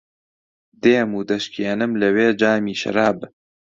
دێم و دەشکێنم لەوێ جامی شەراب